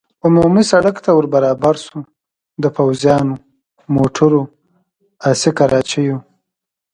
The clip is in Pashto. عمومي سړک ته ور برابر شو، د پوځیانو، موټرو، اسي کراچیو.